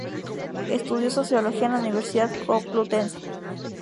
Estudio Sociología en la Universidad Complutense.